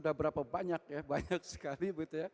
tidak berapa banyak ya banyak sekali